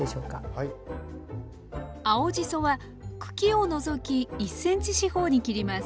青じそは茎を除き１ｃｍ四方に切ります。